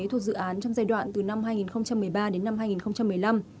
thuộc dự án trong giai đoạn từ năm hai nghìn một mươi ba đến năm hai nghìn một mươi năm